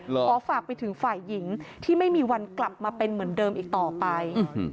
ขอฝากไปถึงฝ่ายหญิงที่ไม่มีวันกลับมาเป็นเหมือนเดิมอีกต่อไป